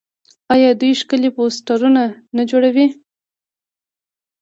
آیا دوی ښکلي پوسټرونه نه جوړوي؟